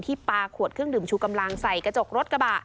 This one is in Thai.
ปลาขวดเครื่องดื่มชูกำลังใส่กระจกรถกระบะ